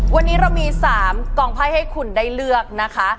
วันนี้เรามี๓กองไพ่ให้คุณได้เลือกนะคะ